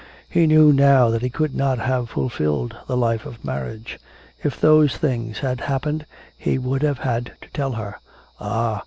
He knew now that he could not have fulfilled the life of marriage. If those things had happened he would have had to tell her ah!